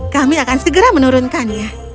kami akan segera menurunkannya